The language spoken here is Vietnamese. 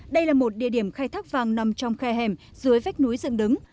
đây là một địa điểm khai thác vàng nằm trong khe hẻm dưới vách núi dựng đứng